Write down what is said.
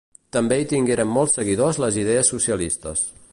També hi tingueren molts seguidors les idees socialistes.